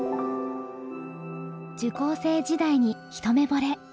受講生時代に一目ぼれ。